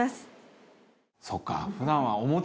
そうか。